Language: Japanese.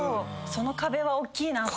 その壁はおっきいなと。